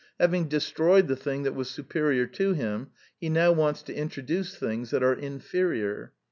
Having destroyed the thing that was su perior to him, he now wants to introduce things that are inferior.